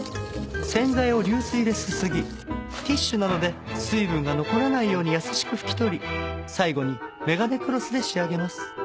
洗剤を流水ですすぎティッシュなどで水分が残らないように優しく拭き取り最後に眼鏡クロスで仕上げます。